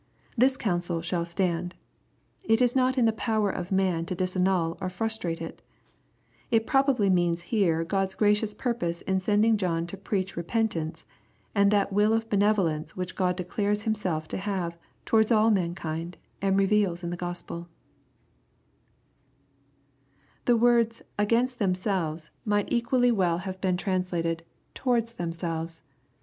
This counsel shall stand. It is not in the power of man to disannul or frustrate it» It probably means here God's gracious purpose in sending John to preach repentance, and that vml of benevolence which God declares Himself to have towards all mankind, and reveals in the GrQspeL The words " agaiq t themselves'^ might equally irell have been 228 BXPOBITOBY THOUGHTS. tranalAted, ^'towards themselves."